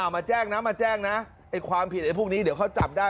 มาแจ้งนะมาแจ้งนะไอ้ความผิดไอ้พวกนี้เดี๋ยวเขาจับได้